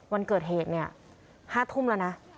วันเกิดเหตุ๕ทุมแล้วนะ